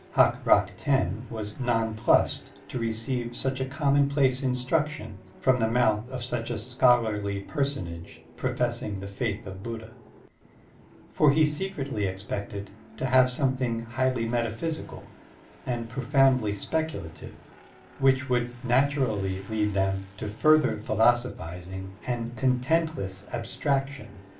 Hak Rak Ten was nonplused to receive such a commonplace instruction from the mouth of such a scholarly personage professing the faith of Buddha; for he secretly expected to have something highly metaphysical and profotmdly speculative, which would naturally lead them to further philosophizing and contentless abstrac tion.